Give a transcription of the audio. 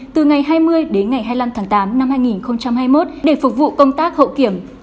từ ngày hai mươi đến ngày hai mươi năm tháng tám năm hai nghìn hai mươi một để phục vụ công tác hậu kiểm